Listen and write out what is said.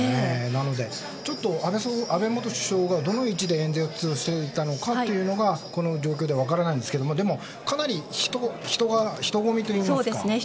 なので、ちょっと安倍元首相がどの位置で演説していたのかというのがこの状況では分からないんですがでもかなり人混みといいますか。